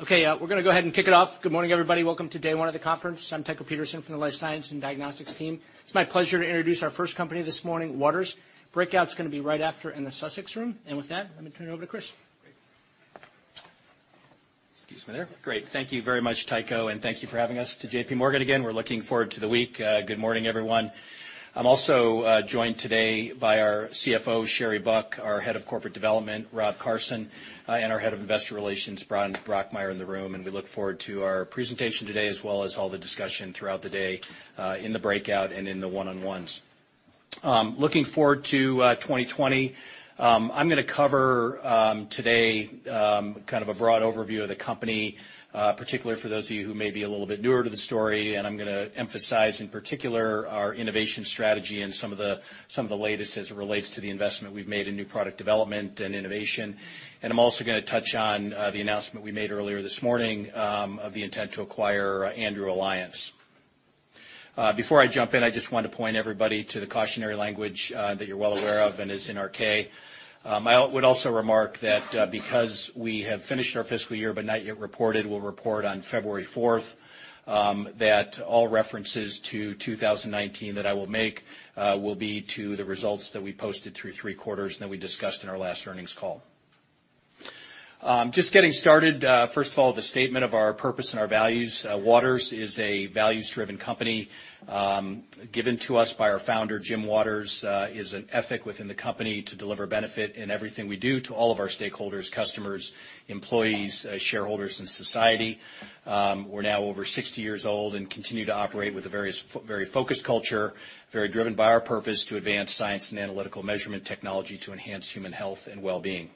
Okay, we're going to go ahead and kick it off. Good morning, everybody. Welcome to day one of the conference. I'm Tycho Peterson from the Life Science and Diagnostics team. It's my pleasure to introduce our first company this morning, Waters. Breakout's going to be right after in the Sussex Room. And with that, let me turn it over to Chris. Excuse me there. Great. Thank you very much, Tycho, and thank you for having us. To JPMorgan again, we're looking forward to the week. Good morning, everyone. I'm also joined today by our CFO, Sherry Buck, our Head of Corporate Development, Rob Carson, and our Head of Investor Relations, Bryan Brokmeier, in the room, and we look forward to our presentation today, as well as all the discussion throughout the day in the breakout and in the one-on-ones. Looking forward to 2020. I'm going to cover today kind of a broad overview of the company, particularly for those of you who may be a little bit newer to the story, and I'm going to emphasize in particular our innovation strategy and some of the latest as it relates to the investment we've made in new product development and innovation. And I'm also going to touch on the announcement we made earlier this morning of the intent to acquire Andrew Alliance. Before I jump in, I just want to point everybody to the cautionary language that you're well aware of and is in our K. I would also remark that because we have finished our fiscal year but not yet reported, we'll report on February 4th, that all references to 2019 that I will make will be to the results that we posted through three quarters that we discussed in our last earnings call. Just getting started, first of all, the statement of our purpose and our values. Waters is a values-driven company. Given to us by our founder, Jim Waters, is an ethic within the company to deliver benefit in everything we do to all of our stakeholders, customers, employees, shareholders, and society. We're now over 60 years old and continue to operate with a very focused culture, very driven by our purpose to advance science and analytical measurement technology to enhance human health and well-being.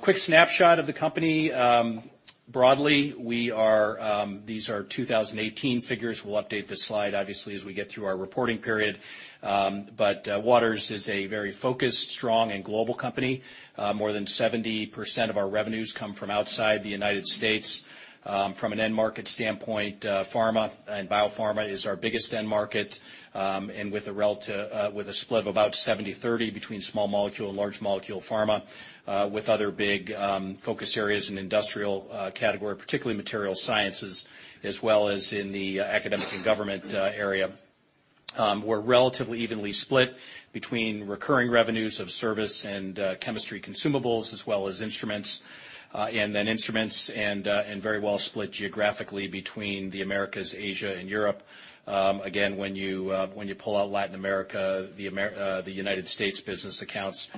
Quick snapshot of the company broadly, these are 2018 figures. We'll update this slide, obviously, as we get through our reporting period. But Waters is a very focused, strong, and global company. More than 70% of our revenues come from outside the United States. From an end market standpoint, pharma and biopharma is our biggest end market, and with a split of about 70/30 between small molecule and large molecule pharma, with other big focus areas in the industrial category, particularly materials sciences, as well as in the academic and government area. We're relatively evenly split between recurring revenues of service and chemistry consumables, as well as instruments, and then instruments, and we're very well split geographically between the Americas, Asia, and Europe. Again, when you pull out Latin America, the United States business accounts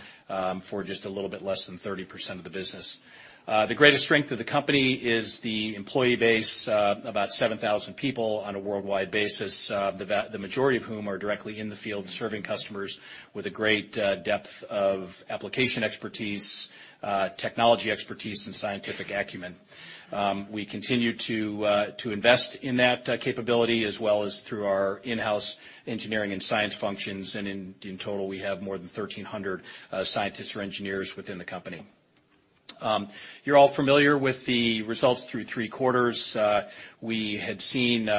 for just a little bit less than 30% of the business. The greatest strength of the company is the employee base, about 7,000 people on a worldwide basis, the majority of whom are directly in the field serving customers with a great depth of application expertise, technology expertise, and scientific acumen. We continue to invest in that capability, as well as through our in-house engineering and science functions. And in total, we have more than 1,300 scientists or engineers within the company. You're all familiar with the results through three quarters. We had seen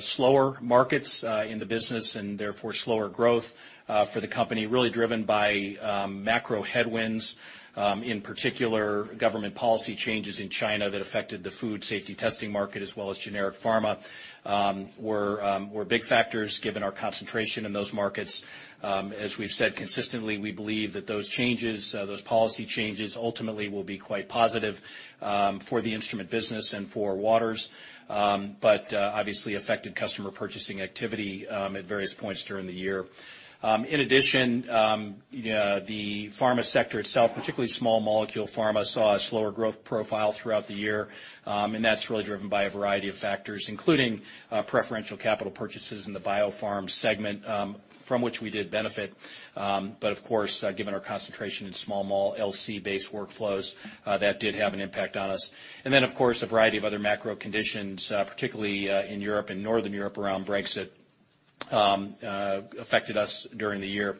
slower markets in the business and therefore slower growth for the company, really driven by macro headwinds, in particular government policy changes in China that affected the food safety testing market, as well as generic pharma. They were big factors given our concentration in those markets. As we've said consistently, we believe that those changes, those policy changes, ultimately will be quite positive for the instrument business and for Waters, but obviously affected customer purchasing activity at various points during the year. In addition, the pharma sector itself, particularly small molecule pharma, saw a slower growth profile throughout the year, and that's really driven by a variety of factors, including preferential capital purchases in the biopharma segment, from which we did benefit. But of course, given our concentration in small molecule LC-based workflows, that did have an impact on us. And then, of course, a variety of other macro conditions, particularly in Europe and northern Europe around Brexit, affected us during the year.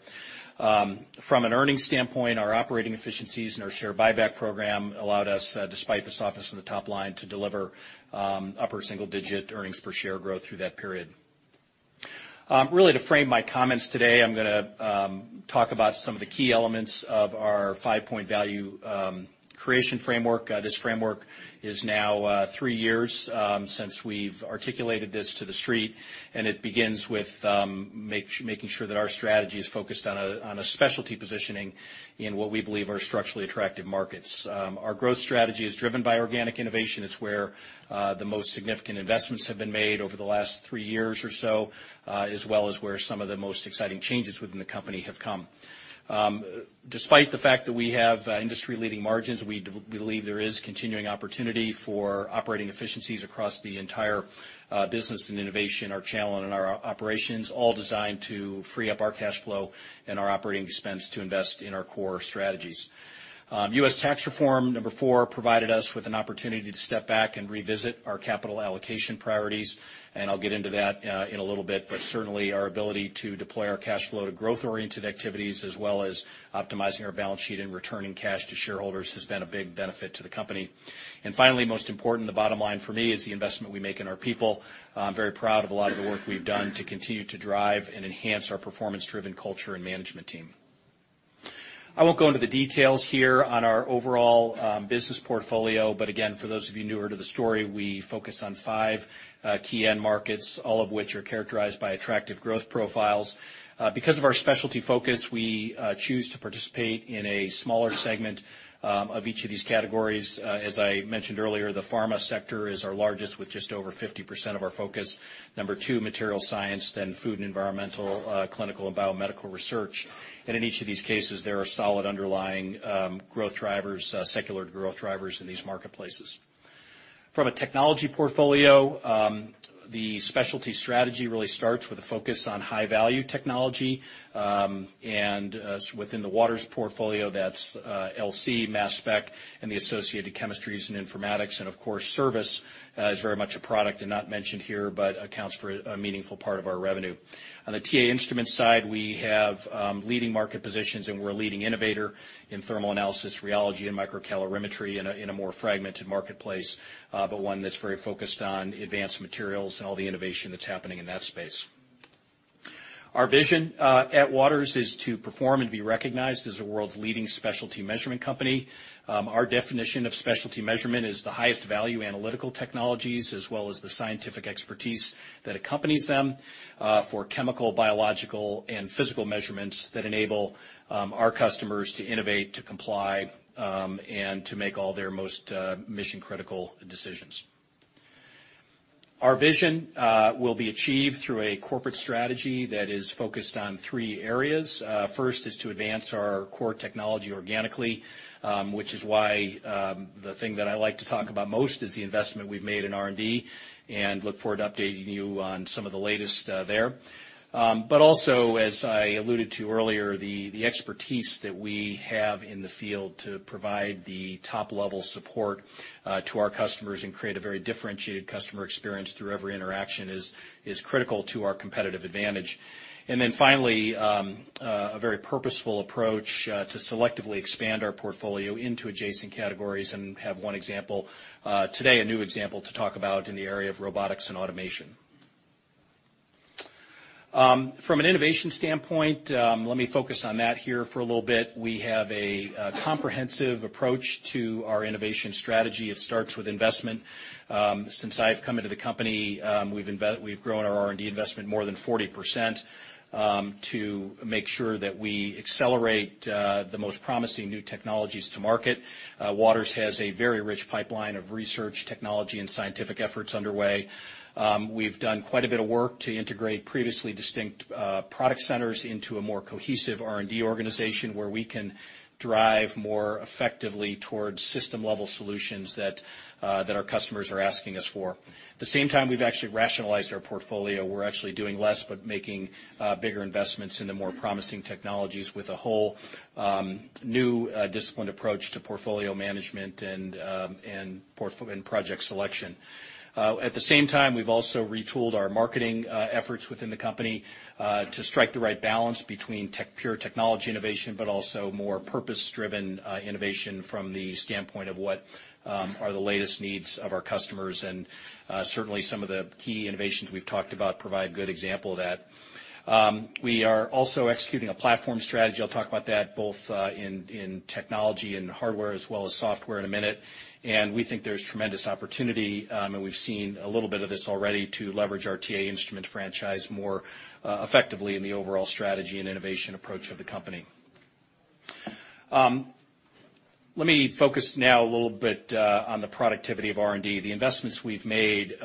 From an earnings standpoint, our operating efficiencies and our share buyback program allowed us, despite the softness in the top line, to deliver upper single-digit earnings-per-share growth through that period. Really, to frame my comments today, I'm going to talk about some of the key elements of our five-point value creation framework. This framework is now three years since we've articulated this to the street. And it begins with making sure that our strategy is focused on a specialty positioning in what we believe are structurally attractive markets. Our growth strategy is driven by organic innovation. It's where the most significant investments have been made over the last three years or so, as well as where some of the most exciting changes within the company have come. Despite the fact that we have industry-leading margins, we believe there is continuing opportunity for operating efficiencies across the entire business and innovation, our channel, and our operations, all designed to free up our cash flow and our operating expense to invest in our core strategies. U.S. tax reform, number four, provided us with an opportunity to step back and revisit our capital allocation priorities. And I'll get into that in a little bit. But certainly, our ability to deploy our cash flow to growth-oriented activities, as well as optimizing our balance sheet and returning cash to shareholders, has been a big benefit to the company. Finally, most important, the bottom line for me is the investment we make in our people. I'm very proud of a lot of the work we've done to continue to drive and enhance our performance-driven culture and management team. I won't go into the details here on our overall business portfolio. But again, for those of you newer to the story, we focus on five key end markets, all of which are characterized by attractive growth profiles. Because of our specialty focus, we choose to participate in a smaller segment of each of these categories. As I mentioned earlier, the pharma sector is our largest, with just over 50% of our focus. Number two, materials science, then food and environmental, clinical, and biomedical research. In each of these cases, there are solid underlying growth drivers, secular growth drivers in these marketplaces. From a technology portfolio, the specialty strategy really starts with a focus on high-value technology. Within the Waters portfolio, that's LC - Mass Spec, and the associated chemistries and informatics. Of course, service is very much a product and not mentioned here, but accounts for a meaningful part of our revenue. On the TA Instruments side, we have leading market positions, and we're a leading innovator in thermal analysis, rheology, and microcalorimetry in a more fragmented marketplace, but one that's very focused on advanced materials and all the innovation that's happening in that space. Our vision at Waters is to perform and be recognized as the world's leading specialty measurement company. Our definition of specialty measurement is the highest value analytical technologies, as well as the scientific expertise that accompanies them for chemical, biological, and physical measurements that enable our customers to innovate, to comply, and to make all their most mission-critical decisions. Our vision will be achieved through a corporate strategy that is focused on three areas. First is to advance our core technology organically, which is why the thing that I like to talk about most is the investment we've made in R&D and look forward to updating you on some of the latest there. But also, as I alluded to earlier, the expertise that we have in the field to provide the top-level support to our customers and create a very differentiated customer experience through every interaction is critical to our competitive advantage. And then finally, a very purposeful approach to selectively expand our portfolio into adjacent categories and have one example today, a new example to talk about in the area of robotics and automation. From an innovation standpoint, let me focus on that here for a little bit. We have a comprehensive approach to our innovation strategy. It starts with investment. Since I've come into the company, we've grown our R&D investment more than 40% to make sure that we accelerate the most promising new technologies to market. Waters has a very rich pipeline of research, technology, and scientific efforts underway. We've done quite a bit of work to integrate previously distinct product centers into a more cohesive R&D organization where we can drive more effectively towards system-level solutions that our customers are asking us for. At the same time, we've actually rationalized our portfolio. We're actually doing less but making bigger investments in the more promising technologies with a whole new disciplined approach to portfolio management and project selection. At the same time, we've also retooled our marketing efforts within the company to strike the right balance between pure technology innovation, but also more purpose-driven innovation from the standpoint of what are the latest needs of our customers, and certainly, some of the key innovations we've talked about provide a good example of that. We are also executing a platform strategy. I'll talk about that both in technology and hardware as well as software in a minute, and we think there's tremendous opportunity, and we've seen a little bit of this already, to leverage our TA Instruments franchise more effectively in the overall strategy and innovation approach of the company. Let me focus now a little bit on the productivity of R&D. The investments we've made in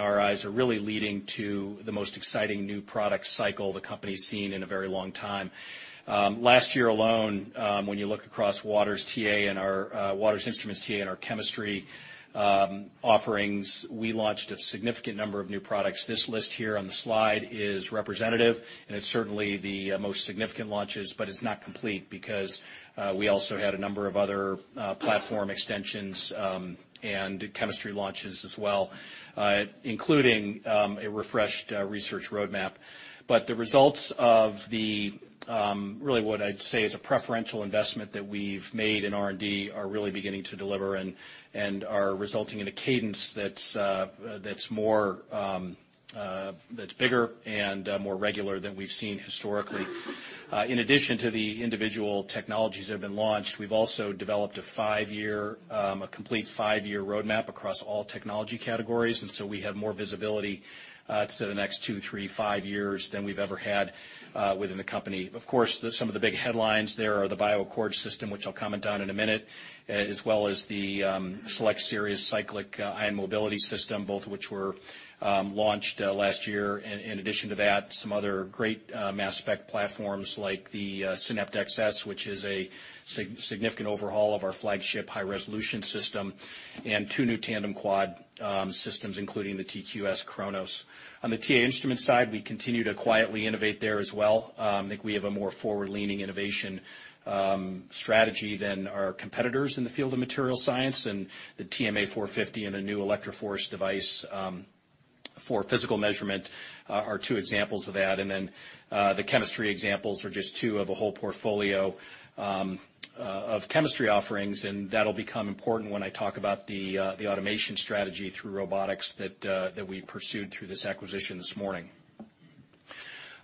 our R&D are really leading to the most exciting new product cycle the company's seen in a very long time. Last year alone, when you look across Waters TA and our Waters Instruments TA and our chemistry offerings, we launched a significant number of new products. This list here on the slide is representative, and it's certainly the most significant launches, but it's not complete because we also had a number of other platform extensions and chemistry launches as well, including a refreshed research roadmap. But the results of, really, what I'd say is a preferential investment that we've made in R&D are really beginning to deliver and are resulting in a cadence that's bigger and more regular than we've seen historically. In addition to the individual technologies that have been launched, we've also developed a complete five-year roadmap across all technology categories. And so we have more visibility to the next two, three, five years than we've ever had within the company. Of course, some of the big headlines there are the BioAccord System, which I'll comment on in a minute, as well as the SELECT SERIES Cyclic IMS, both of which were launched last year. In addition to that, some other great mass spec platforms like the SYNAPT XS, which is a significant overhaul of our flagship high-resolution system, and two new tandem quad systems, including the Xevo TQ-S Cronos. On the TA Instruments side, we continue to quietly innovate there as well. I think we have a more forward-leaning innovation strategy than our competitors in the field of materials science. And the TMA 450 and a new ElectroForce device for physical measurement are two examples of that. And then the chemistry examples are just two of a whole portfolio of chemistry offerings. And that'll become important when I talk about the automation strategy through robotics that we pursued through this acquisition this morning.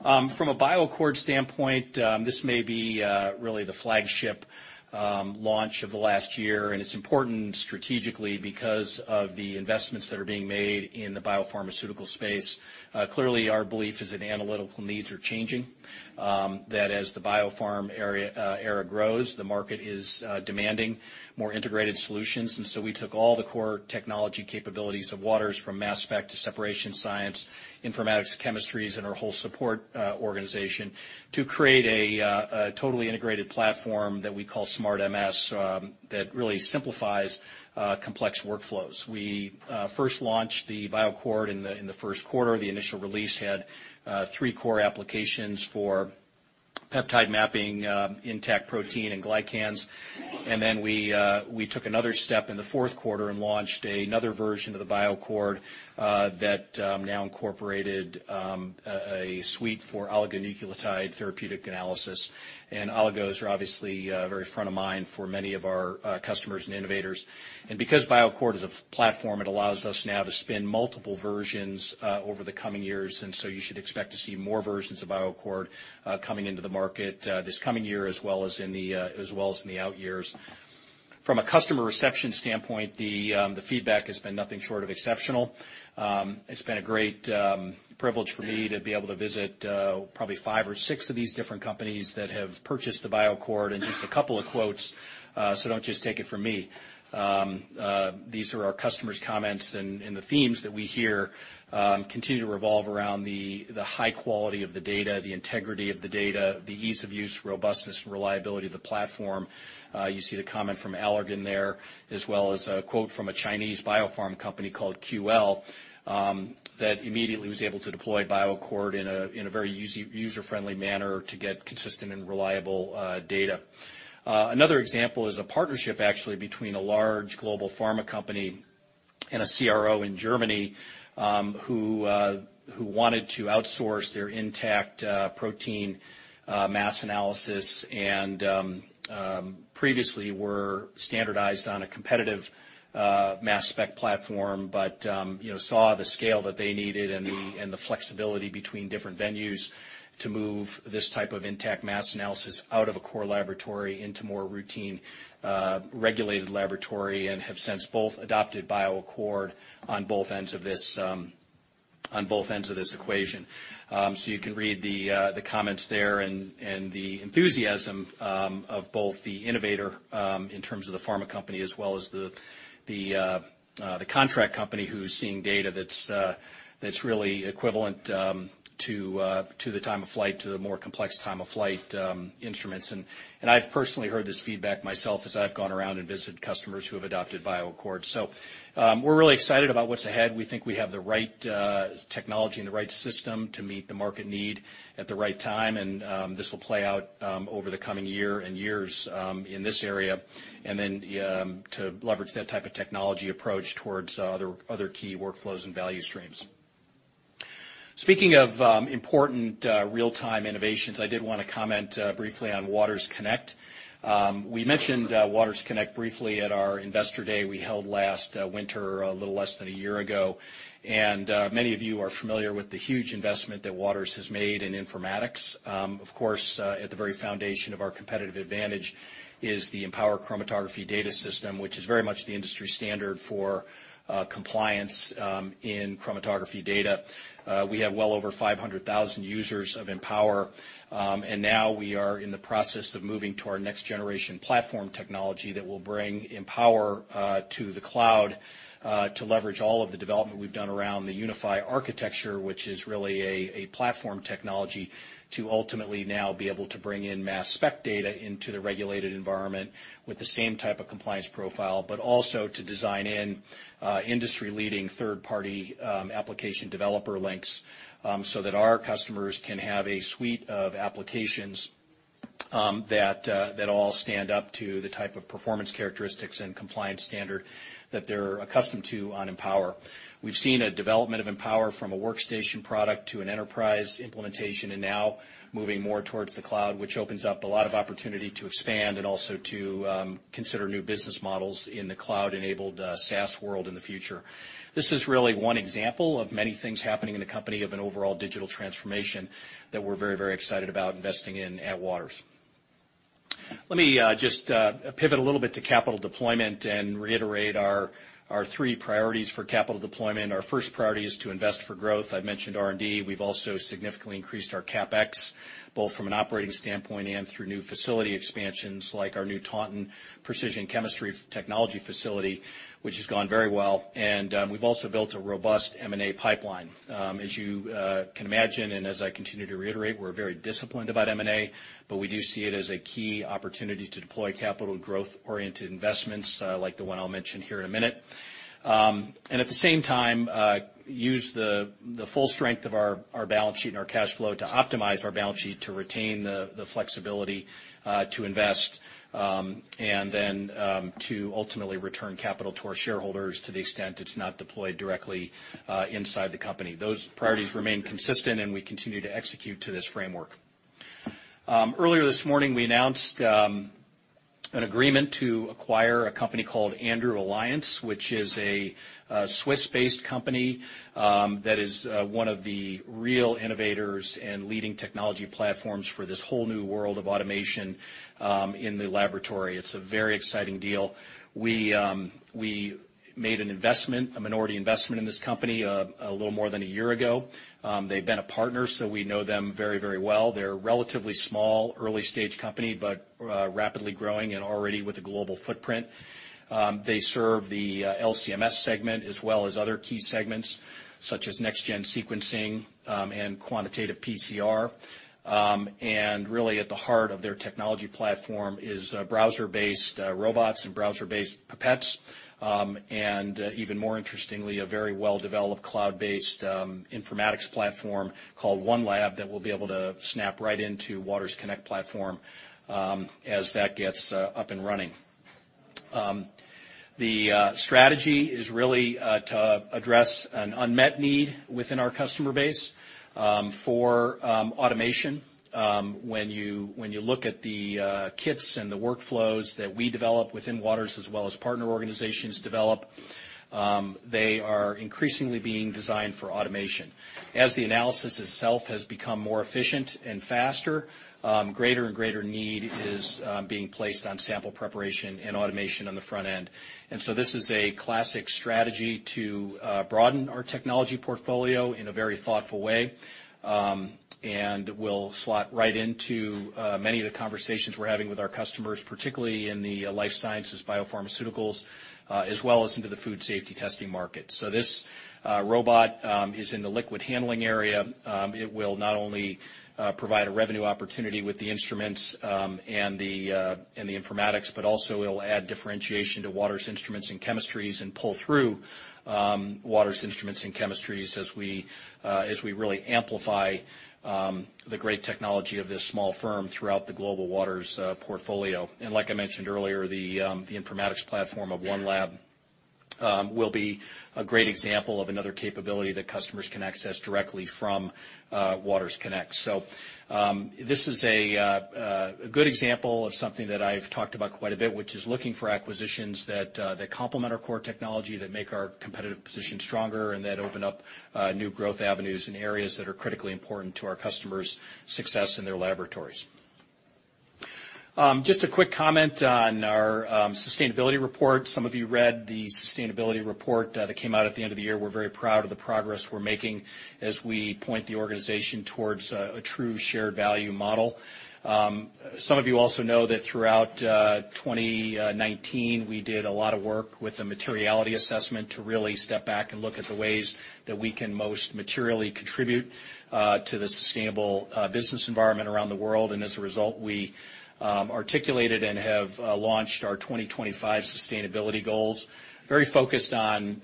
From a BioAccord standpoint, this may be really the flagship launch of the last year. And it's important strategically because of the investments that are being made in the biopharmaceutical space. Clearly, our belief is that analytical needs are changing. That as the biopharma era grows, the market is demanding more integrated solutions. And so we took all the core technology capabilities of Waters from mass spec to separation science, informatics, chemistries, and our whole support organization to create a totally integrated platform that we call SmartMS that really simplifies complex workflows. We first launched the BioAccord. In the first quarter, the initial release had three core applications for peptide mapping, intact protein, and glycans. Then we took another step in the fourth quarter and launched another version of the BioAccord that now incorporated a suite for oligonucleotide therapeutic analysis. Oligos are obviously very front of mind for many of our customers and innovators. Because BioAccord is a platform, it allows us now to spin multiple versions over the coming years. So you should expect to see more versions of BioAccord coming into the market this coming year, as well as in the out years. From a customer reception standpoint, the feedback has been nothing short of exceptional. It's been a great privilege for me to be able to visit probably five or six of these different companies that have purchased the BioAccord in just a couple of months. Don't just take it from me. These are our customers' comments and the themes that we hear continue to revolve around the high quality of the data, the integrity of the data, the ease of use, robustness, and reliability of the platform. You see the comment from Allergan there, as well as a quote from a Chinese biopharma company called QL that immediately was able to deploy BioAccord in a very user-friendly manner to get consistent and reliable data. Another example is a partnership actually between a large global pharma company and a CRO in Germany who wanted to outsource their intact protein mass analysis and previously were standardized on a competitive mass spec platform, but saw the scale that they needed and the flexibility between different venues to move this type of intact mass analysis out of a core laboratory into more routine regulated laboratory and have since both adopted BioAccord on both ends of this equation. So you can read the comments there and the enthusiasm of both the innovator in terms of the pharma company as well as the contract company who's seeing data that's really equivalent to the time of flight to the more complex time of flight instruments. And I've personally heard this feedback myself as I've gone around and visited customers who have adopted BioAccord. We're really excited about what's ahead. We think we have the right technology and the right system to meet the market need at the right time. This will play out over the coming year and years in this area and then to leverage that type of technology approach towards other key workflows and value streams. Speaking of important real-time innovations, I did want to comment briefly on Waters Connect. We mentioned Waters Connect briefly at our investor day we held last winter a little less than a year ago. Many of you are familiar with the huge investment that Waters has made in informatics. Of course, at the very foundation of our competitive advantage is the Empower Chromatography Data System, which is very much the industry standard for compliance in chromatography data. We have well over 500,000 users of Empower. Now we are in the process of moving to our next-generation platform technology that will bring Empower to the cloud to leverage all of the development we've done around the UNIFI architecture, which is really a platform technology to ultimately now be able to bring in mass spec data into the regulated environment with the same type of compliance profile, but also to design in industry-leading third-party application developer links so that our customers can have a suite of applications that all stand up to the type of performance characteristics and compliance standard that they're accustomed to on Empower. We've seen a development of Empower from a workstation product to an enterprise implementation and now moving more towards the cloud, which opens up a lot of opportunity to expand and also to consider new business models in the cloud-enabled SaaS world in the future. This is really one example of many things happening in the company of an overall digital transformation that we're very, very excited about investing in at Waters. Let me just pivot a little bit to capital deployment and reiterate our three priorities for capital deployment. Our first priority is to invest for growth. I've mentioned R&D. We've also significantly increased our CapEx, both from an operating standpoint and through new facility expansions like our new Taunton Precision Chemistry Technology Facility, which has gone very well. And we've also built a robust M&A pipeline. As you can imagine and as I continue to reiterate, we're very disciplined about M&A, but we do see it as a key opportunity to deploy capital growth-oriented investments like the one I'll mention here in a minute. At the same time, use the full strength of our balance sheet and our cash flow to optimize our balance sheet to retain the flexibility to invest and then to ultimately return capital to our shareholders to the extent it's not deployed directly inside the company. Those priorities remain consistent, and we continue to execute to this framework. Earlier this morning, we announced an agreement to acquire a company called Andrew Alliance, which is a Swiss-based company that is one of the real innovators and leading technology platforms for this whole new world of automation in the laboratory. It's a very exciting deal. We made a minority investment in this company a little more than a year ago. They've been a partner, so we know them very, very well. They're a relatively small, early-stage company, but rapidly growing and already with a global footprint. They serve the LC-MS segment as well as other key segments such as next-gen sequencing and quantitative PCR. Really, at the heart of their technology platform is browser-based robots and browser-based pipettes. Even more interestingly, a very well-developed cloud-based informatics platform called OneLab that will be able to snap right into Waters Connect platform as that gets up and running. The strategy is really to address an unmet need within our customer base for automation. When you look at the kits and the workflows that we develop within Waters as well as partner organizations develop, they are increasingly being designed for automation. As the analysis itself has become more efficient and faster, greater and greater need is being placed on sample preparation and automation on the front end. And so this is a classic strategy to broaden our technology portfolio in a very thoughtful way and will slot right into many of the conversations we're having with our customers, particularly in the life sciences, biopharmaceuticals, as well as into the food safety testing market. So this robot is in the liquid handling area. It will not only provide a revenue opportunity with the instruments and the informatics, but also it'll add differentiation to Waters Instruments and Chemistries and pull through Waters Instruments and Chemistries as we really amplify the great technology of this small firm throughout the global Waters portfolio. And like I mentioned earlier, the informatics platform of OneLab will be a great example of another capability that customers can access directly from Waters Connect. So this is a good example of something that I've talked about quite a bit, which is looking for acquisitions that complement our core technology, that make our competitive position stronger, and that open up new growth avenues in areas that are critically important to our customers' success in their laboratories. Just a quick comment on our sustainability report. Some of you read the sustainability report that came out at the end of the year. We're very proud of the progress we're making as we point the organization towards a true shared value model. Some of you also know that throughout 2019, we did a lot of work with a materiality assessment to really step back and look at the ways that we can most materially contribute to the sustainable business environment around the world. As a result, we articulated and have launched our 2025 sustainability goals, very focused on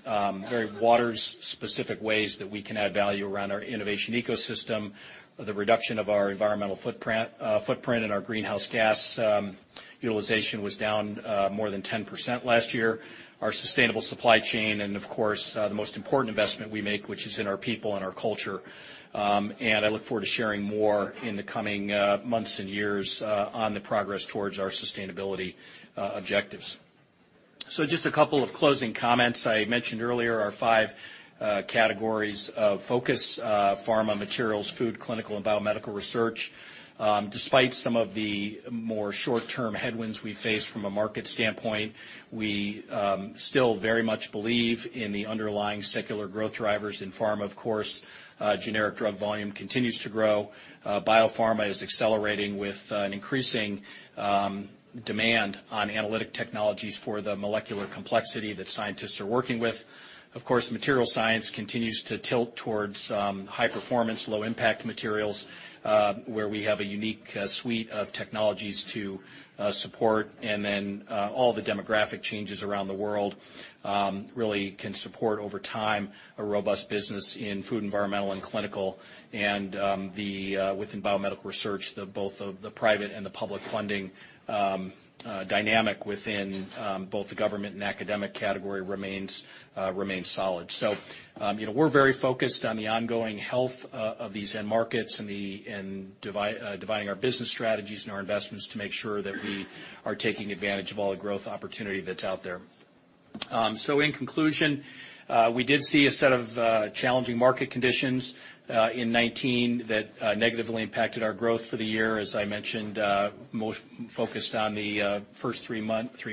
very Waters-specific ways that we can add value around our innovation ecosystem. The reduction of our environmental footprint and our greenhouse gas utilization was down more than 10% last year. Our sustainable supply chain and, of course, the most important investment we make, which is in our people and our culture. I look forward to sharing more in the coming months and years on the progress towards our sustainability objectives. Just a couple of closing comments. I mentioned earlier our five categories of focus: pharma, materials, food, clinical, and biomedical research. Despite some of the more short-term headwinds we face from a market standpoint, we still very much believe in the underlying secular growth drivers in pharma. Of course, generic drug volume continues to grow. Biopharma is accelerating with an increasing demand on analytic technologies for the molecular complexity that scientists are working with. Of course, material science continues to tilt towards high-performance, low-impact materials where we have a unique suite of technologies to support, and then all the demographic changes around the world really can support, over time, a robust business in food, environmental, and clinical, and within biomedical research, both of the private and the public funding dynamic within both the government and academic category remains solid. We're very focused on the ongoing health of these end markets and dividing our business strategies and our investments to make sure that we are taking advantage of all the growth opportunity that's out there, so in conclusion, we did see a set of challenging market conditions in 2019 that negatively impacted our growth for the year. As I mentioned, most focused on the first three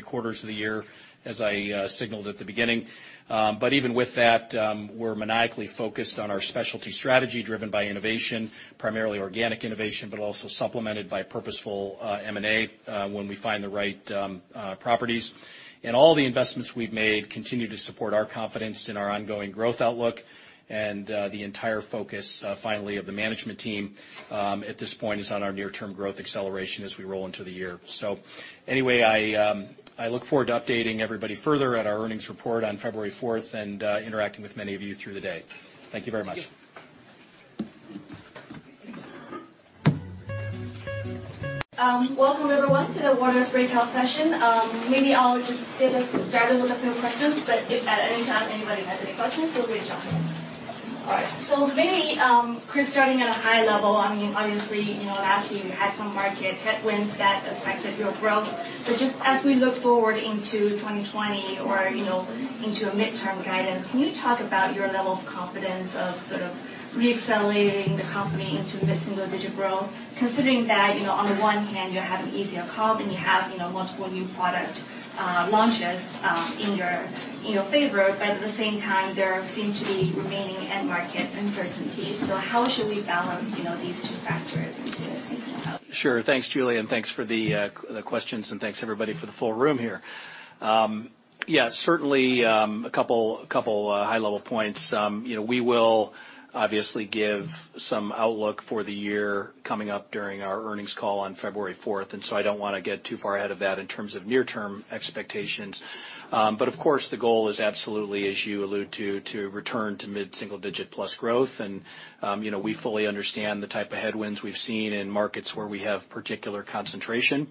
quarters of the year, as I signaled at the beginning. But even with that, we're maniacally focused on our specialty strategy driven by innovation, primarily organic innovation, but also supplemented by purposeful M&A when we find the right properties. And all the investments we've made continue to support our confidence in our ongoing growth outlook. And the entire focus, finally, of the management team at this point is on our near-term growth acceleration as we roll into the year. So anyway, I look forward to updating everybody further at our earnings report on February 4th and interacting with many of you through the day. Thank you very much. Welcome, everyone, to the Waters Breakout Session. Maybe I'll just get us started with a few questions, but if at any time anybody has any questions, we'll reach out. All right. So maybe Chris, starting at a high level, I mean, obviously, last year you had some market headwinds that affected your growth. But just as we look forward into 2020 or into a midterm guidance, can you talk about your level of confidence of sort of re-accelerating the company into this single-digit growth, considering that on the one hand, you're having easier comps and you have multiple new product launches in your favor, but at the same time, there seem to be remaining end market uncertainties? So how should we balance these two factors into thinking about? Sure. Thanks, Julia. And thanks for the questions. And thanks, everybody, for the full room here. Yeah, certainly a couple high-level points. We will obviously give some outlook for the year coming up during our earnings call on February 4th. And so I don't want to get too far ahead of that in terms of near-term expectations. But of course, the goal is absolutely, as you allude to, to return to mid-single-digit plus growth. And we fully understand the type of headwinds we've seen in markets where we have particular concentration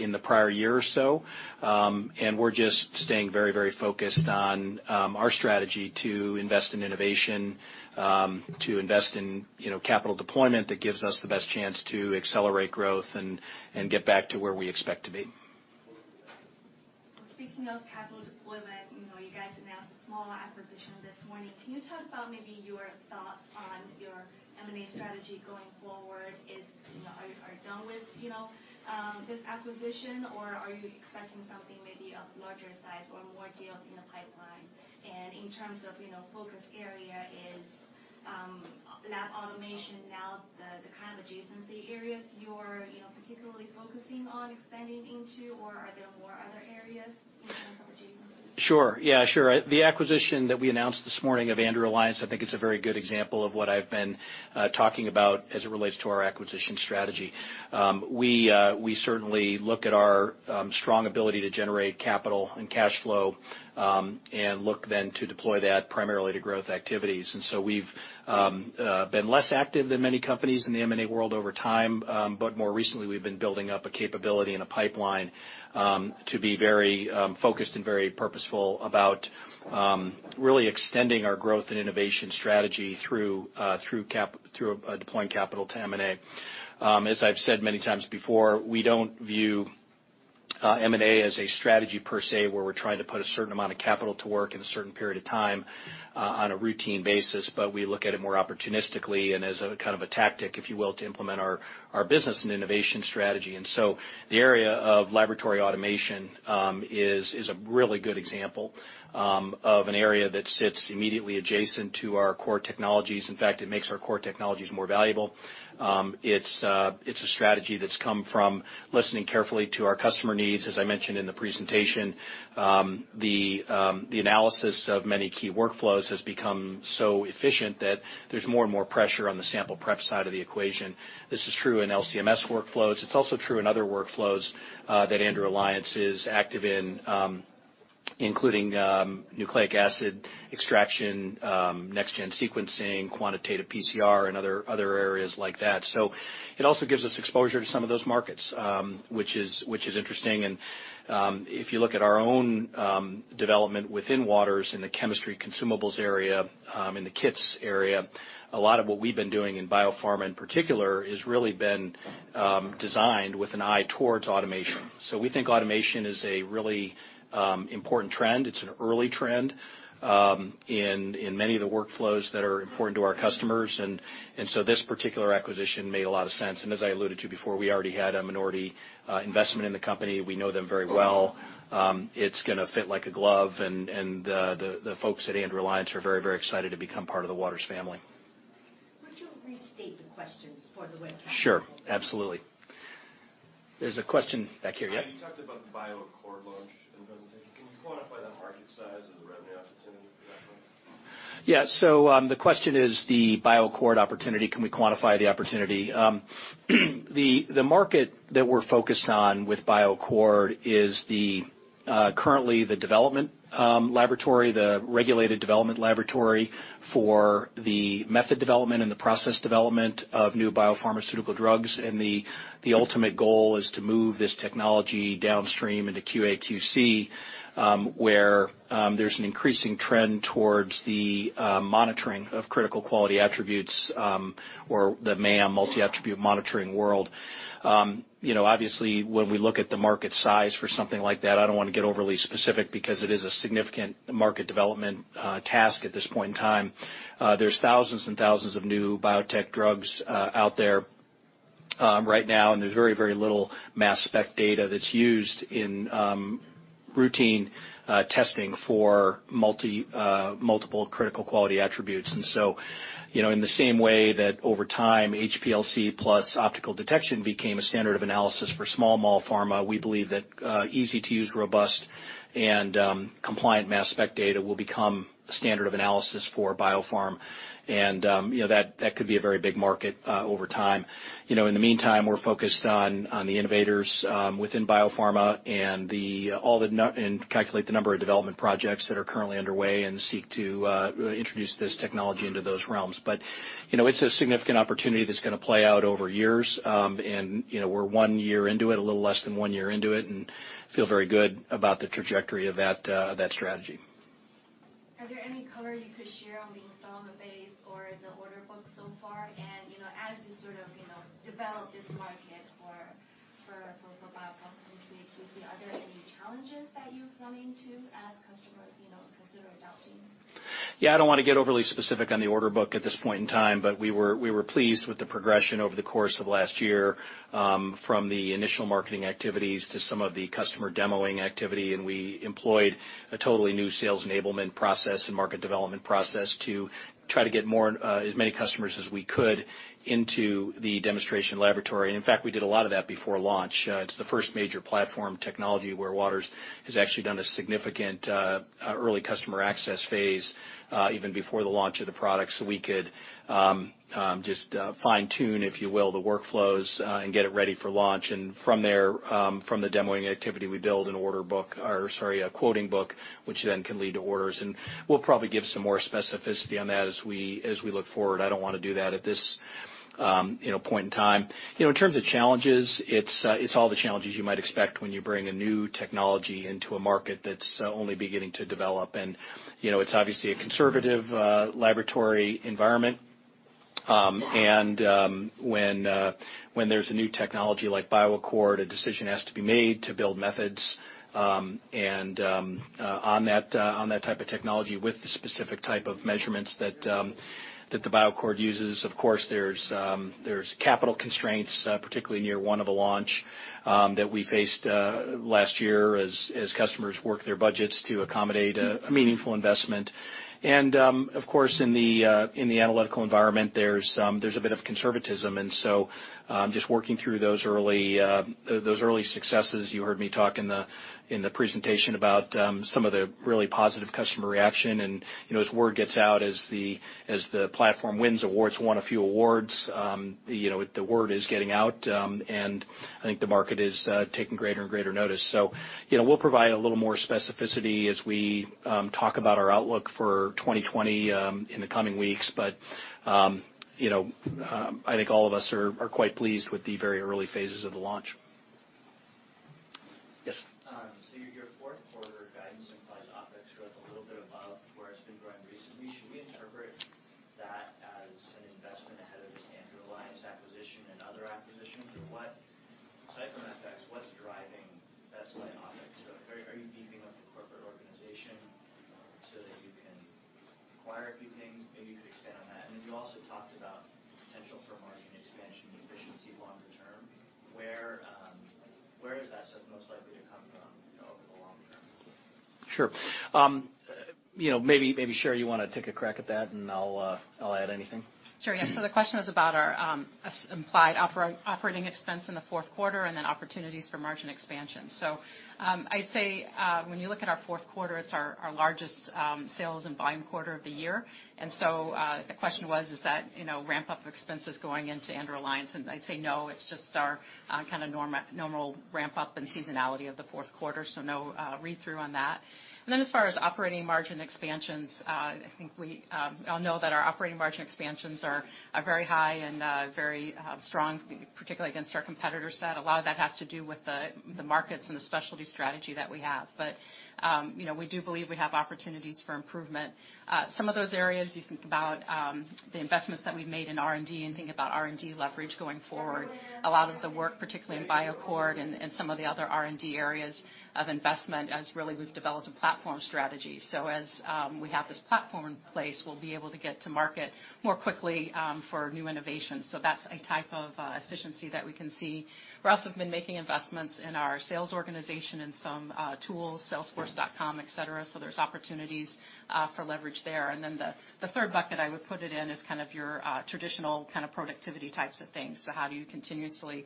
in the prior year or so. And we're just staying very, very focused on our strategy to invest in innovation, to invest in capital deployment that gives us the best chance to accelerate growth and get back to where we expect to be. Speaking of capital deployment, you guys announced a small acquisition this morning. Can you talk about maybe your thoughts on your M&A strategy going forward? Are you done with this acquisition, or are you expecting something maybe of larger size or more deals in the pipeline? And in terms of focus area, is lab automation now the kind of adjacency areas you're particularly focusing on expanding into, or are there more other areas in terms of adjacency? Sure. Yeah, sure. The acquisition that we announced this morning of Andrew Alliance, I think it's a very good example of what I've been talking about as it relates to our acquisition strategy. We certainly look at our strong ability to generate capital and cash flow and look then to deploy that primarily to growth activities. And so we've been less active than many companies in the M&A world over time, but more recently, we've been building up a capability and a pipeline to be very focused and very purposeful about really extending our growth and innovation strategy through deploying capital to M&A. As I've said many times before, we don't view M&A as a strategy per se where we're trying to put a certain amount of capital to work in a certain period of time on a routine basis, but we look at it more opportunistically and as a kind of a tactic, if you will, to implement our business and innovation strategy. And so the area of laboratory automation is a really good example of an area that sits immediately adjacent to our core technologies. In fact, it makes our core technologies more valuable. It's a strategy that's come from listening carefully to our customer needs. As I mentioned in the presentation, the analysis of many key workflows has become so efficient that there's more and more pressure on the sample prep side of the equation. This is true in LC-MS workflows. It's also true in other workflows that Andrew Alliance is active in, including nucleic acid extraction, next-gen sequencing, quantitative PCR, and other areas like that. So it also gives us exposure to some of those markets, which is interesting. And if you look at our own development within Waters in the chemistry consumables area, in the kits area, a lot of what we've been doing in biopharma in particular has really been designed with an eye towards automation. So we think automation is a really important trend. It's an early trend in many of the workflows that are important to our customers. And so this particular acquisition made a lot of sense. And as I alluded to before, we already had a minority investment in the company. We know them very well. It's going to fit like a glove. The folks at Andrew Alliance are very, very excited to become part of the Waters family. Could you read the questions for the webcast? Sure. Absolutely. There's a question back here. Yeah. You talked about the BioAccord launch in the presentation. Can you quantify that market size or the revenue opportunity for that one? Yeah. So the question is the BioAccord opportunity. Can we quantify the opportunity? The market that we're focused on with BioAccord is currently the development laboratory, the regulated development laboratory for the method development and the process development of new biopharmaceutical drugs. The ultimate goal is to move this technology downstream into QA/QC, where there's an increasing trend towards the monitoring of critical quality attributes or the MAM, multi-attribute monitoring world. Obviously, when we look at the market size for something like that, I don't want to get overly specific because it is a significant market development task at this point in time. There's thousands and thousands of new biotech drugs out there right now, and there's very, very little mass spec data that's used in routine testing for multiple critical quality attributes, and so in the same way that over time, HPLC plus optical detection became a standard of analysis for small molecule pharma, we believe that easy-to-use, robust, and compliant mass spec data will become a standard of analysis for biopharma, and that could be a very big market over time. In the meantime, we're focused on the innovators within biopharma and calculate the number of development projects that are currently underway and seek to introduce this technology into those realms. But it's a significant opportunity that's going to play out over years. And we're one year into it, a little less than one year into it, and feel very good about the trajectory of that strategy. Are there any color you could share on the installed base or the order book so far? And as you sort of develop this market for biopharma and QA/QC, are there any challenges that you've run into as customers consider adopting? Yeah. I don't want to get overly specific on the order book at this point in time, but we were pleased with the progression over the course of last year from the initial marketing activities to some of the customer demoing activity. And we employed a totally new sales enablement process and market development process to try to get as many customers as we could into the demonstration laboratory. In fact, we did a lot of that before launch. It's the first major platform technology where Waters has actually done a significant early customer access phase even before the launch of the product so we could just fine-tune, if you will, the workflows and get it ready for launch. And from there, from the demoing activity, we build an order book or, sorry, a quoting book, which then can lead to orders. And we'll probably give some more specificity on that as we look forward. I don't want to do that at this point in time. In terms of challenges, it's all the challenges you might expect when you bring a new technology into a market that's only beginning to develop. And it's obviously a conservative laboratory environment. And when there's a new technology like BioAccord, a decision has to be made to build methods. And on that type of technology with the specific type of measurements that the BioAccord uses, of course, there's capital constraints, particularly in the near term of the launch that we faced last year as customers work their budgets to accommodate a meaningful investment. And of course, in the analytical environment, there's a bit of conservatism. And so just working through those early successes, you heard me talk in the presentation about some of the really positive customer reaction. And as word gets out, as the platform wins awards, won a few awards, the word is getting out. And I think the market is taking greater and greater notice. So we'll provide a little more specificity as we talk about our outlook for 2020 in the coming weeks. But I think all of us are quite pleased with the very early phases of the launch. Yes. So you're here for it for guidance and price optics throughout a little bit about where it's been going recently. Should we interpret that as an investment ahead of this Andrew Alliance acquisition and other acquisitions? Or aside from FX, what's driving that slight optics? Are you beefing up the corporate organization so that you can acquire a few things? Maybe you could expand on that. And then you also talked about potential for margin expansion and efficiency longer term. Where is that stuff most likely to come from over the long term? Sure. Maybe, Sherry, you want to take a crack at that, and I'll add anything. Sure. Yeah. So the question was about our implied operating expense in the fourth quarter and then opportunities for margin expansion. So I'd say when you look at our fourth quarter, it's our largest sales and buying quarter of the year. And so the question was, is that ramp-up expenses going into Andrew Alliance? And I'd say no. It's just our kind of normal ramp-up and seasonality of the fourth quarter. So no read-through on that. And then as far as operating margin expansions, I think we all know that our operating margin expansions are very high and very strong, particularly against our competitor set. A lot of that has to do with the markets and the specialty strategy that we have. But we do believe we have opportunities for improvement. Some of those areas, you think about the investments that we've made in R&D and think about R&D leverage going forward. A lot of the work, particularly in BioAccord and some of the other R&D areas of investment, is really we've developed a platform strategy. So as we have this platform in place, we'll be able to get to market more quickly for new innovations. So that's a type of efficiency that we can see. We've also been making investments in our sales organization and some tools, Salesforce.com, etc. So there's opportunities for leverage there. And then the third bucket I would put it in is kind of your traditional kind of productivity types of things. So how do you continuously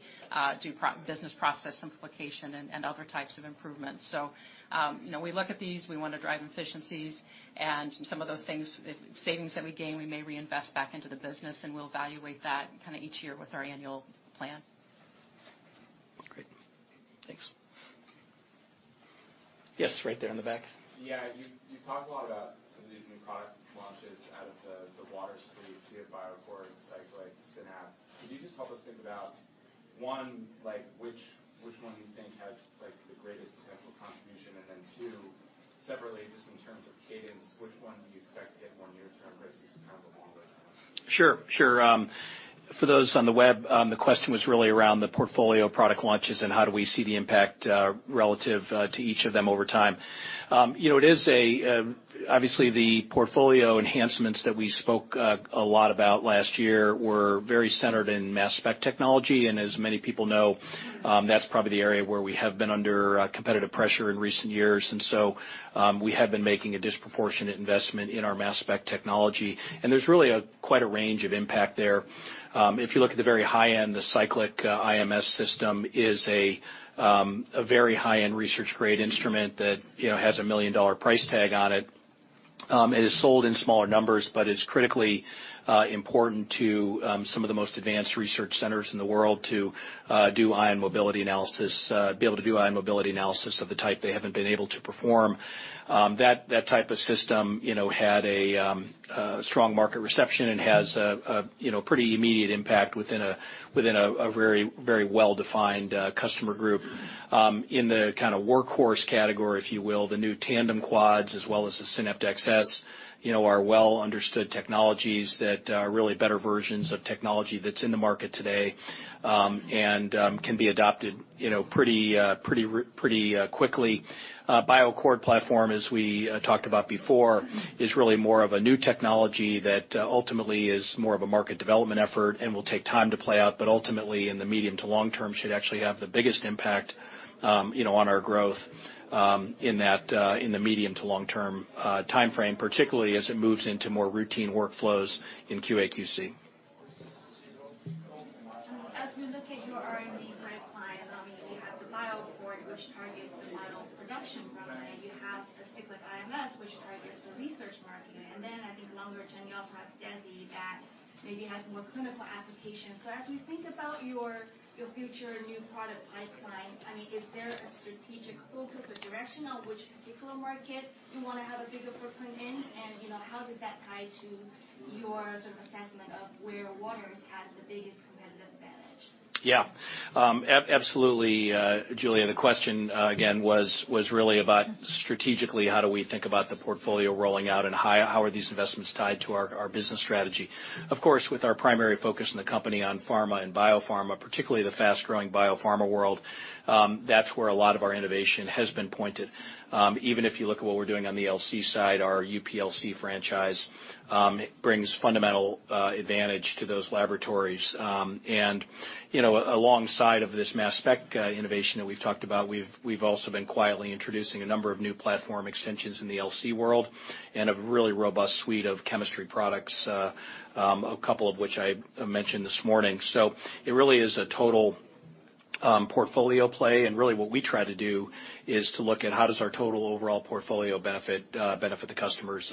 do business process simplification and other types of improvements? So we look at these. We want to drive efficiencies. And some of those things, savings that we gain, we may reinvest back into the business. And we'll evaluate that kind of each year with our annual plan. Great. Thanks. Yes, right there in the back. Yeah. You talked a lot about some of these new product launches out of the Waters crew, the BioAccord, Cyclic, SYNAPT. Could you just help us think about, one, which one you think has the greatest potential contribution? And then two, separately, just in terms of cadence, which one do you expect to get more near-term risks kind of the longer term? Sure. Sure. For those on the web, the question was really around the portfolio product launches and how do we see the impact relative to each of them over time. Obviously, the portfolio enhancements that we spoke a lot about last year were very centered in mass spec technology. And as many people know, that's probably the area where we have been under competitive pressure in recent years. And so we have been making a disproportionate investment in our mass spec technology. There’s really quite a range of impact there. If you look at the very high-end, the Cyclic IMS system is a very high-end research-grade instrument that has a $1 million price tag on it. It is sold in smaller numbers, but it’s critically important to some of the most advanced research centers in the world to do ion mobility analysis, be able to do ion mobility analysis of the type they haven’t been able to perform. That type of system had a strong market reception and has a pretty immediate impact within a very well-defined customer group. In the kind of workhorse category, if you will, the new Tandem Quads as well as the SYNAPT XS are well-understood technologies that are really better versions of technology that’s in the market today and can be adopted pretty quickly. BioAccord platform, as we talked about before, is really more of a new technology that ultimately is more of a market development effort and will take time to play out, but ultimately in the medium to long term should actually have the biggest impact on our growth in the medium to long term timeframe, particularly as it moves into more routine workflows in QA/QC. As we look at your R&D pipeline, I mean, you have the BioAccord, which targets the final production runway. You have the Cyclic IMS, which targets the research market. And then I think longer term, you also have DESI that maybe has more clinical applications. So as we think about your future new product pipeline, I mean, is there a strategic focus or direction on which particular market you want to have a bigger footprint in? And how does that tie to your sort of assessment of where Waters has the biggest competitive advantage? Yeah. Absolutely, Julia. The question, again, was really about strategically how do we think about the portfolio rolling out and how are these investments tied to our business strategy. Of course, with our primary focus in the company on pharma and biopharma, particularly the fast-growing biopharma world, that's where a lot of our innovation has been pointed. Even if you look at what we're doing on the LC side, our UPLC franchise brings fundamental advantage to those laboratories. And alongside of this mass spec innovation that we've talked about, we've also been quietly introducing a number of new platform extensions in the LC world and a really robust suite of chemistry products, a couple of which I mentioned this morning. So it really is a total portfolio play. And really what we try to do is to look at how does our total overall portfolio benefit the customers.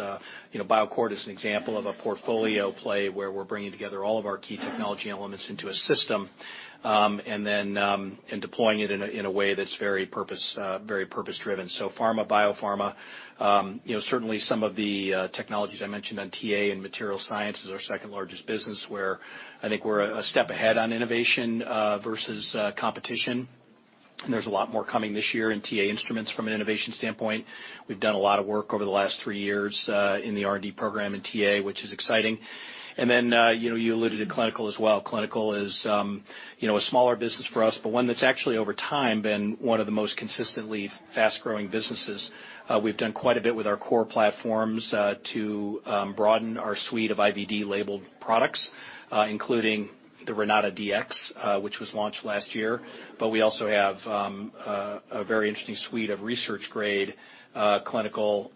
BioAccord is an example of a portfolio play where we're bringing together all of our key technology elements into a system and deploying it in a way that's very purpose-driven. So pharma, biopharma, certainly some of the technologies I mentioned on TA and material science is our second largest business where I think we're a step ahead on innovation versus competition. And there's a lot more coming this year in TA Instruments from an innovation standpoint. We've done a lot of work over the last three years in the R&D program in TA, which is exciting. And then you alluded to clinical as well. Clinical is a smaller business for us, but one that's actually over time been one of the most consistently fast-growing businesses. We've done quite a bit with our core platforms to broaden our suite of IVD-labeled products, including the RenataDX, which was launched last year. But we also have a very interesting suite of research-grade clinical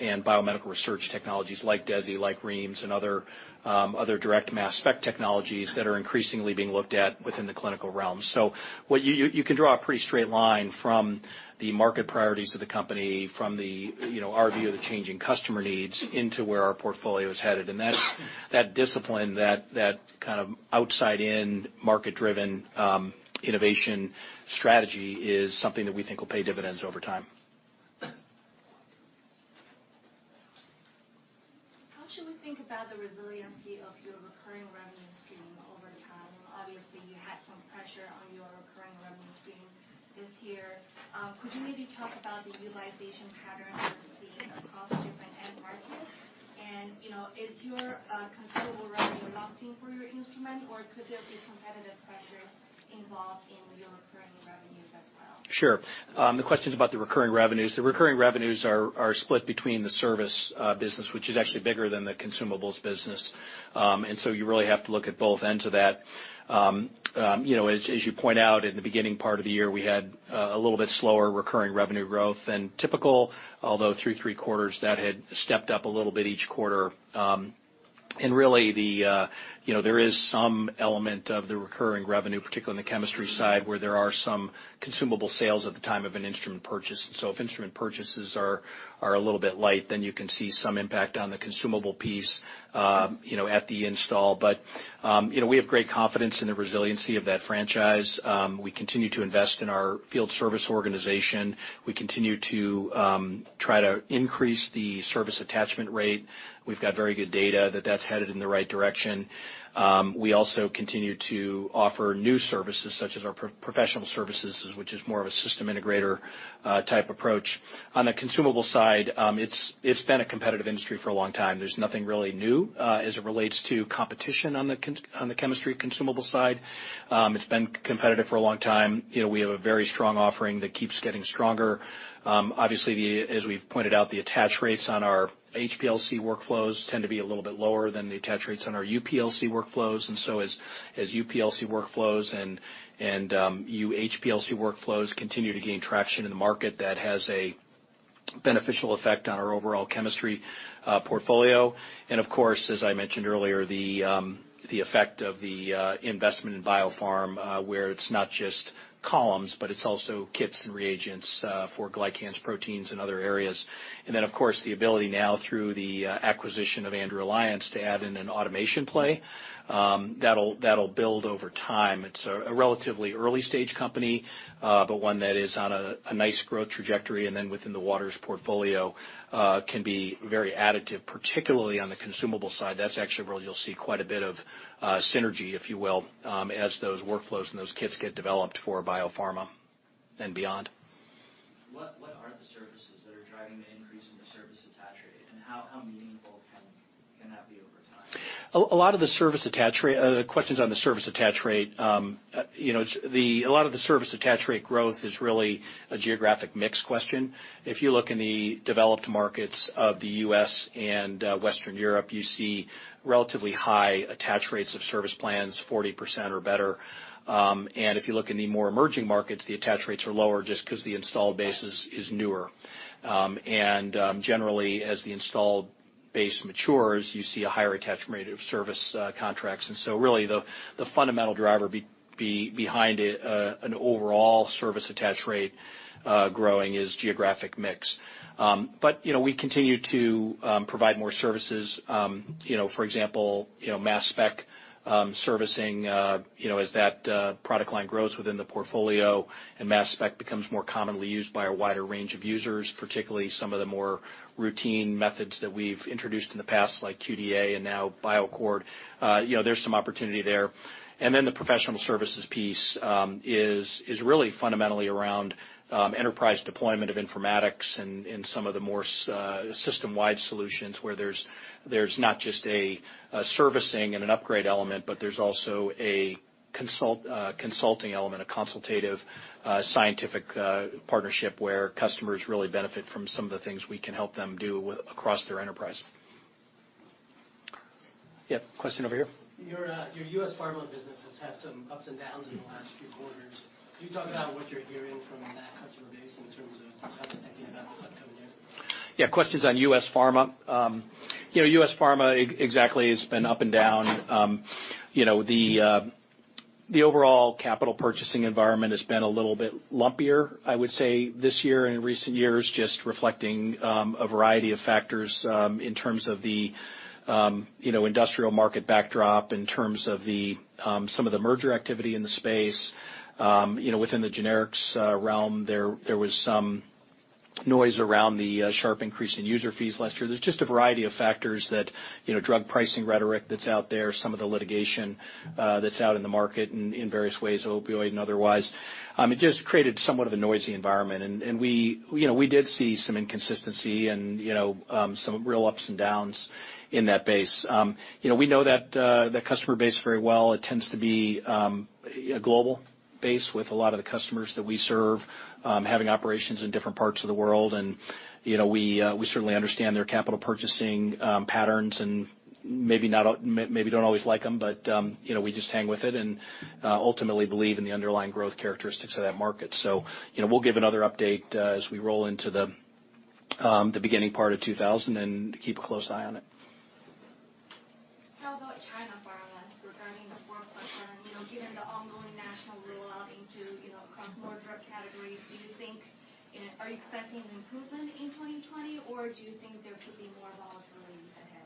and biomedical research technologies like DESI, like REIMS, and other direct mass spec technologies that are increasingly being looked at within the clinical realm. So you can draw a pretty straight line from the market priorities of the company, from our view of the changing customer needs into where our portfolio is headed. And that discipline, that kind of outside-in market-driven innovation strategy is something that we think will pay dividends over time. How should we think about the resiliency of your recurring revenue stream over time? Obviously, you had some pressure on your recurring revenue stream this year. Could you maybe talk about the utilization patterns you've seen across different end markets? Is your consumable revenue locked in for your instrument, or could there be competitive pressures involved in your recurring revenues as well? Sure. The question's about the recurring revenues. The recurring revenues are split between the service business, which is actually bigger than the consumables business. And so you really have to look at both ends of that. As you point out, in the beginning part of the year, we had a little bit slower recurring revenue growth than typical, although through three quarters, that had stepped up a little bit each quarter. And really, there is some element of the recurring revenue, particularly on the chemistry side, where there are some consumable sales at the time of an instrument purchase. And so if instrument purchases are a little bit light, then you can see some impact on the consumable piece at the install. But we have great confidence in the resiliency of that franchise. We continue to invest in our field service organization. We continue to try to increase the service attachment rate. We've got very good data that that's headed in the right direction. We also continue to offer new services, such as our professional services, which is more of a system integrator type approach. On the consumable side, it's been a competitive industry for a long time. There's nothing really new as it relates to competition on the chemistry consumable side. It's been competitive for a long time. We have a very strong offering that keeps getting stronger. Obviously, as we've pointed out, the attach rates on our HPLC workflows tend to be a little bit lower than the attach rates on our UPLC workflows. And so as UPLC workflows and HPLC workflows continue to gain traction in the market, that has a beneficial effect on our overall chemistry portfolio. And of course, as I mentioned earlier, the effect of the investment in biopharm where it's not just columns, but it's also kits and reagents for glycans, proteins, and other areas. And then, of course, the ability now through the acquisition of Andrew Alliance to add in an automation play that'll build over time. It's a relatively early-stage company, but one that is on a nice growth trajectory. And then within the Waters portfolio, can be very additive, particularly on the consumable side. That's actually where you'll see quite a bit of synergy, if you will, as those workflows and those kits get developed for biopharma and beyond. What are the services that are driving the increase in the service attach rate? How meaningful can that be over time? A lot of the service attach rate questions on the service attach rate, a lot of the service attach rate growth is really a geographic mix question. If you look in the developed markets of the U.S. and Western Europe, you see relatively high attach rates of service plans, 40% or better. If you look in the more emerging markets, the attach rates are lower just because the installed base is newer. Generally, as the installed base matures, you see a higher attachment rate of service contracts. So really, the fundamental driver behind an overall service attach rate growing is geographic mix. We continue to provide more services. For example, mass spec servicing, as that product line grows within the portfolio and mass spec becomes more commonly used by a wider range of users, particularly some of the more routine methods that we've introduced in the past, like QDa and now BioAccord, there's some opportunity there, and then the professional services piece is really fundamentally around enterprise deployment of informatics and some of the more system-wide solutions where there's not just a servicing and an upgrade element, but there's also a consulting element, a consultative scientific partnership where customers really benefit from some of the things we can help them do across their enterprise. Yep. Question over here. Your U.S. pharma business has had some ups and downs in the last few quarters. Can you talk about what you're hearing from that customer base in terms of how they're thinking about this upcoming year? Yeah. Questions on U.S. pharma. U.S. pharma exactly has been up and down. The overall capital purchasing environment has been a little bit lumpier, I would say, this year and in recent years, just reflecting a variety of factors in terms of the industrial market backdrop, in terms of some of the merger activity in the space. Within the generics realm, there was some noise around the sharp increase in user fees last year. There's just a variety of factors that drug pricing rhetoric that's out there, some of the litigation that's out in the market in various ways, opioid and otherwise. It just created somewhat of a noisy environment, and we did see some inconsistency and some real ups and downs in that base. We know that customer base very well. It tends to be a global base with a lot of the customers that we serve, having operations in different parts of the world. And we certainly understand their capital purchasing patterns and maybe don't always like them, but we just hang with it and ultimately believe in the underlying growth characteristics of that market. So we'll give another update as we roll into the beginning part of 2020 and keep a close eye on it. How about China pharma regarding the 4+7? Given the ongoing national rollout into across more drug categories, do you think you expecting improvement in 2020, or do you think there could be more volatility ahead?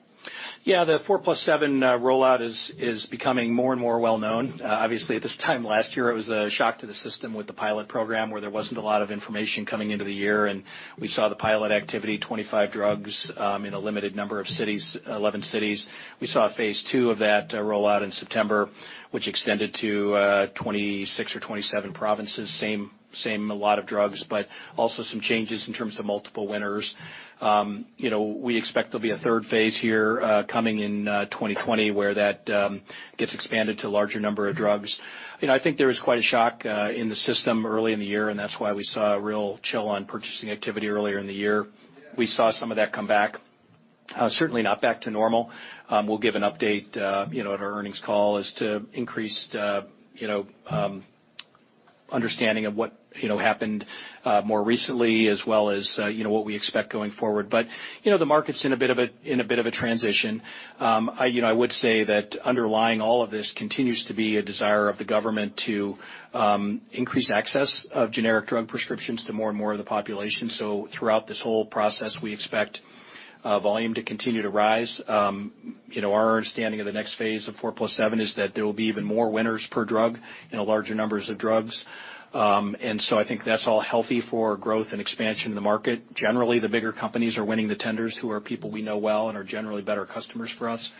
Yeah. The 4+7 rollout is becoming more and more well-known. Obviously, at this time last year, it was a shock to the system with the pilot program where there wasn't a lot of information coming into the year. We saw the pilot activity, 25 drugs in a limited number of cities, 11 cities. We saw phase two of that rollout in September, which extended to 26 or 27 provinces, same a lot of drugs, but also some changes in terms of multiple winners. We expect there'll be a third phase here coming in 2020 where that gets expanded to a larger number of drugs. I think there was quite a shock in the system early in the year, and that's why we saw a real chill on purchasing activity earlier in the year. We saw some of that come back. Certainly not back to normal. We'll give an update at our earnings call as to increased understanding of what happened more recently as well as what we expect going forward. The market's in a bit of a transition. I would say that underlying all of this continues to be a desire of the government to increase access of generic drug prescriptions to more and more of the population, so throughout this whole process, we expect volume to continue to rise. Our understanding of the next phase of 4+7 is that there will be even more winners per drug and larger numbers of drugs, and so I think that's all healthy for growth and expansion in the market. Generally, the bigger companies are winning the tenders who are people we know well and are generally better customers for us.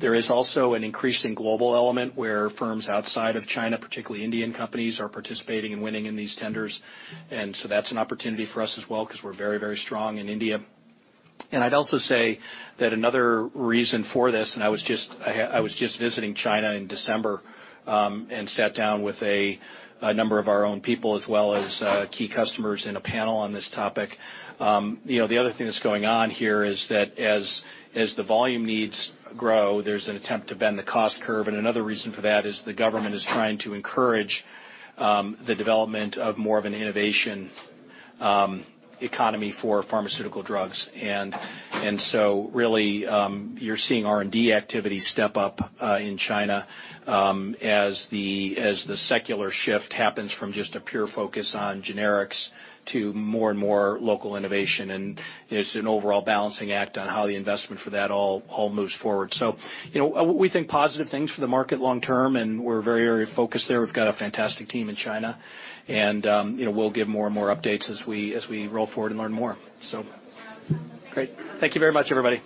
There is also an increasing global element where firms outside of China, particularly Indian companies, are participating and winning in these tenders, and so that's an opportunity for us as well because we're very, very strong in India. I'd also say that another reason for this, and I was just visiting China in December and sat down with a number of our own people as well as key customers in a panel on this topic. The other thing that's going on here is that as the volume needs grow, there's an attempt to bend the cost curve. And another reason for that is the government is trying to encourage the development of more of an innovation economy for pharmaceutical drugs. And so really, you're seeing R&D activity step up in China as the secular shift happens from just a pure focus on generics to more and more local innovation. And there's an overall balancing act on how the investment for that all moves forward. So we think positive things for the market long term, and we're very, very focused there. We've got a fantastic team in China. And we'll give more and more updates as we roll forward and learn more. So, great. Thank you very much, everybody.